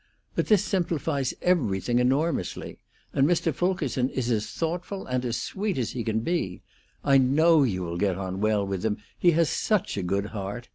But this simplifies everything enormously, and Mr. Fulkerson is as thoughtful and as sweet as he can be. I know you will get on well with him. He has such a good heart.